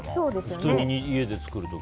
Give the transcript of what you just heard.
普通に家で作る時。